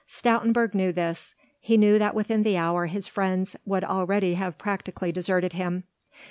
Stoutenburg knew this. He knew that within the next hour his friends would already have practically deserted him.